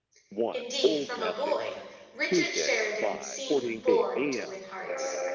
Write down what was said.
Indeed, from a boy, Richard Sheridan seemed born to win hearts.